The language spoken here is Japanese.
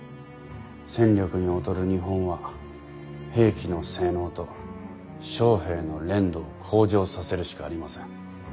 戦力に劣る日本は兵器の性能と将兵の練度を向上させるしかありません。